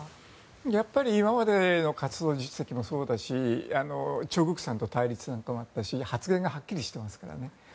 やっぱり今までの活動実績もそうだしチョ・グクさんとの対立もあったし発言がはっきりしていますからね。